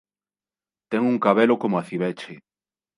Ten un cabelo coma o acibeche.